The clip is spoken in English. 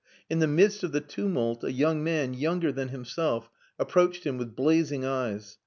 In the midst of the tumult, a young man, younger than himself, approached him with blazing eyes.